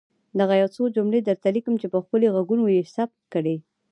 دغه يو څو جملې درته ليکم چي په ښکلي ږغونو يې ثبت کړئ.